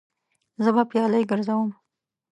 زه به پیالې ګرځوم.